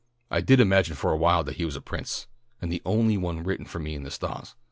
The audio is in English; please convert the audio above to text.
I did imagine for awhile that he was a prince, and the one written for me in the sta'hs."